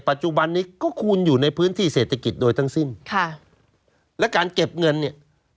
ปัจจุบันนี้ก็คูณอยู่ในพื้นที่เศรษฐกิจโดยทั้งสิ้นค่ะและการเก็บเงินเนี่ย